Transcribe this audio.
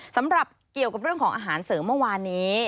สำหรับเกี่ยวกับเรื่องของอาหารเสริมเมื่อวานนี้